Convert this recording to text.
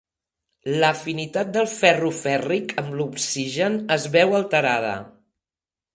L'afinitat del ferro fèrric amb l'oxigen es veu alterada.